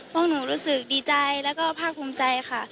พวกหนูรู้สึกดีใจแล้วก็ภาคภูมิใจค่ะ